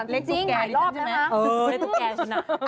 เลขจริงใหม่รอบนะคะ